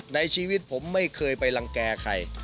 ในชีวิตผมไม่เคยไปรังแก่ใคร